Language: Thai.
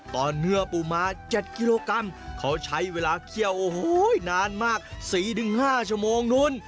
เนื้อปูม้า๗กิโลกรัมเขาใช้เวลาเคี่ยวโอ้โหนานมาก๔๕ชั่วโมงนู้น